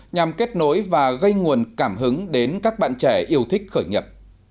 nhằm kết nối và gây nguồn cảm hứng đến các bạn trẻ yêu thích khởi nghiệp